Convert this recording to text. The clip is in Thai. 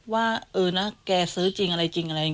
ว่าเออนะแกซื้อจริงอะไรจริงอะไรอย่างนี้